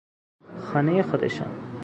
خانهی خودشان